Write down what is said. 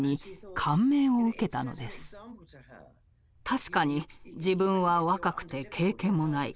確かに自分は若くて経験もない。